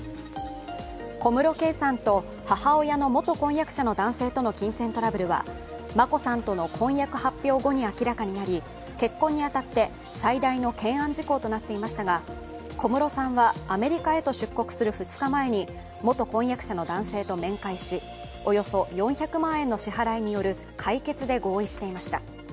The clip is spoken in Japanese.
小室圭さんと母親の元婚約者の男性との金銭トラブルは眞子さんとの婚約発表後に明らかになり結婚に当たって最大の懸案事項となっていましたが小室さんはアメリカへと出国する２日前に元婚約者の男性と面会しおよそ４００万円の支払いによる解決で合意していました。